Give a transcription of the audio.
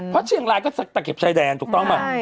เพราะเชียงรายก็ตะเข็บชายแดนถูกต้องไหม